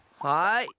はい。